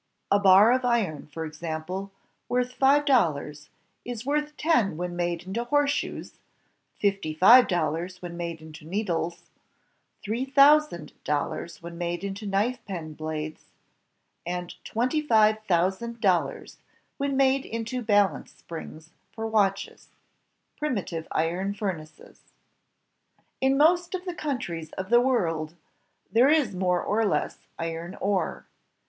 A bar of iron, for example, worth five dollars, is worth ten when made into horseshoes, fifty five dollars when made into needles, three thousand dollars when made into penknife blades, and twenty five thousand dollars when made into balance springs for watches. i6i 1 62 inventions of manufacture and production Primitive Iron Furnaces In most of the countries of the world there is more or less iron ore.